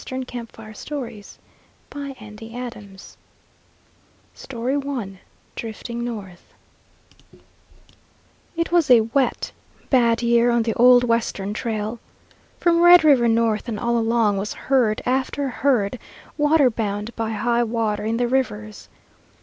] CATTLE BRANDS I DRIFTING NORTH It was a wet, bad year on the Old Western Trail. From Red River north and all along was herd after herd waterbound by high water in the rivers.